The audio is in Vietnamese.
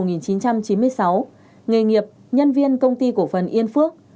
nghề nghiệp nhân viên công ty cổ phần yên phước